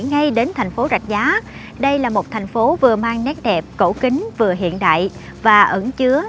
ngay đến thành phố rạch giá đây là một thành phố vừa mang nét đẹp cổ kính vừa hiện đại và ẩn chứa